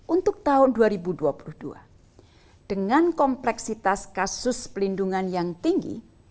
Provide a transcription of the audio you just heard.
untuk tahun dua ribu dua puluh dua dengan kompleksitas kasus pelindungan yang tinggi